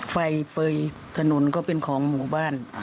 ไฟเปยถนนก็เป็นของหมู่บ้าน